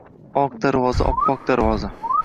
Oq darvoza, oppoq darvoza!